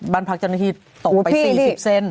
บ้านพักเจ้าหน้าที่ตกไป๔๐เซนติเซนต์